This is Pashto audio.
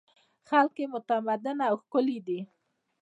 خلک یې متمدن او ښکلي دي.